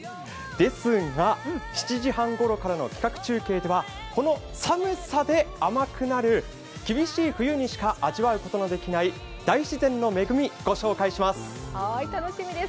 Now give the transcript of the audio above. ですが、７時半ごろからの企画中継ではこの寒さで甘くなる厳しい冬にしか味わうことのできない大自然の恵み、ご紹介します。